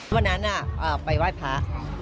วันนั้นไปไหว้พระ